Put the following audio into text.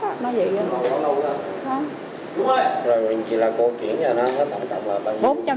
rồi mình chỉ là cô chuyển nhà ra